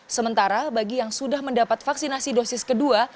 sementara bagi yang sudah mendapat vaksinasi dosis kedua